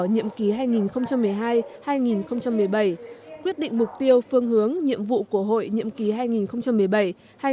nhiệm ký hai nghìn một mươi hai hai nghìn một mươi bảy quyết định mục tiêu phương hướng nhiệm vụ của hội